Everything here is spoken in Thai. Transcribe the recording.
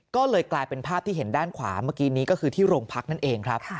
ก็เลยกลายเป็นภาพที่เห็นด้านขวาเมื่อกี้นี้ก็คือที่โรงพักนั่นเองครับ